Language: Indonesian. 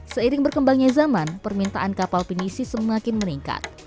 seiring berkembangnya zaman permintaan kapal penisi semakin meningkat